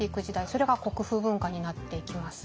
それが国風文化になっていきます。